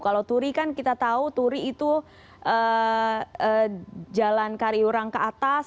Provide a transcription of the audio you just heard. kalau turi kan kita tahu turi itu jalan kariurang ke atas